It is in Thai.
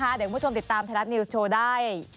เดี๋ยวคุณผู้ชมติดตามไทยรัฐนิวส์โชว์ได้